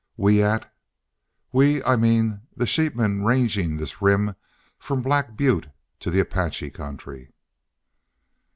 "What at? ... We I mean the sheepmen rangin' this Rim from Black Butte to the Apache country."